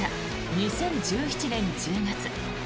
２０１７年１０月。